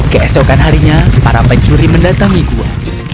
keesokan harinya para pencuri mendatangi gua